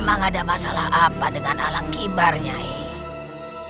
memang ada masalah apa dengan alang kibarnya eik